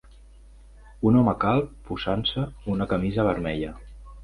Un home calb posant-se una camisa vermella